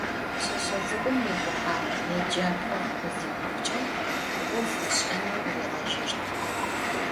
Pşseşse ts'ık'um rixhuhağ: yêcap'er khıziuxıç'e, 'of ış'eneu riğejeşt.